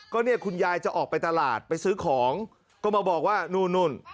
ก็เนี่ยคุณยายจะออกไปตลาดไปซื้อของก็มาบอกว่านู่นนู่น